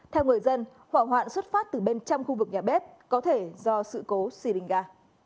theo người dân hỏa hoạn xuất phát từ bên trong khu vực nhà bếp có thể do sự cố xì bình ga